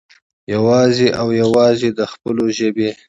يوازې او يوازې د خپلو ژبې